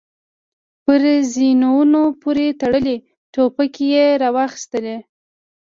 پر زينونو پورې تړلې ټوپکې يې را واخيستې.